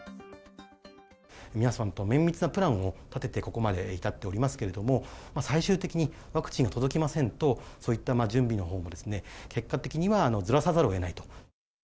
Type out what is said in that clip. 皆さんと綿密なプランを立ててここまで至っておりますけれども、最終的にワクチンが届きませんと、そういった準備のほうも結果的にはずらさざるをえないと。